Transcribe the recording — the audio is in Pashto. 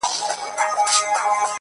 • د آتشي غرو د سکروټو د لاوا لوري.